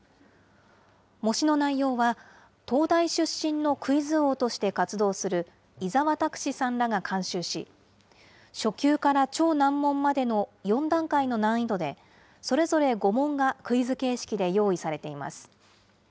模試の内容は、東大出身のクイズ王として活動する伊沢拓司さんらが監修し、初級から超難問までの４段階の難易度で、それぞれ５問がクイズ形式で用意されています。